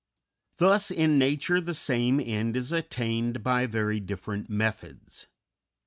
Thus in nature the same end is attained by very different methods.